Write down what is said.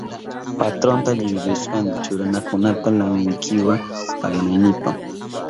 Patronmanta liwik rishkani churarinakunata lankwikiwa paganaynipa.